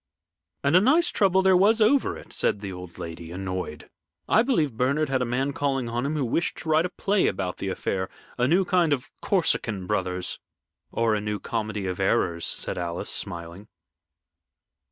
"And a nice trouble there was over it," said the old lady, annoyed. "I believe Bernard had a man calling on him who wished to write a play about the affair a new kind of 'Corsican Brothers.'" "Or a new 'Comedy of Errors,'" said Alice, smiling.